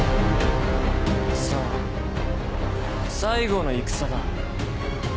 さぁ最後の戦だ。